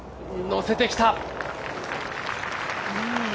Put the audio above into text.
のせてきた。